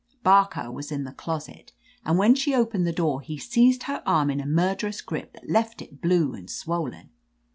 "Barker was in the closet, and when she opened the door he seized her arm in a mur derous grip that left it blue and swollen.